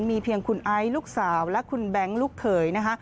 มีเพียงคุณไอซ์ลูกสาวและคุณแบงค์ลูกเขยนะคะ